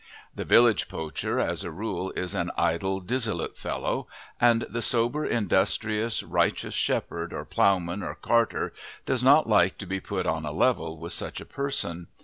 The village poacher as a rule is an idle, dissolute fellow, and the sober, industrious, righteous shepherd or ploughman or carter does not like to be put on a level with such a person.